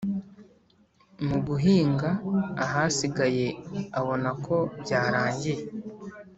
mugihanga ahasigaye abonako byarangiye